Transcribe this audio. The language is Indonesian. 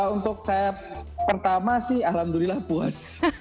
untuk saya pertama sih alhamdulillah puas